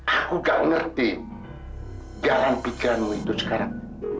aku tidak mengerti jalan pikiranmu itu sekarang